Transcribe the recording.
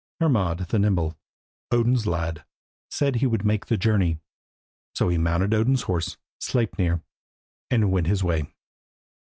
Hermod the nimble, Odin's lad, said he would make the journey. So he mounted Odin's horse, Sleipner, and went his way.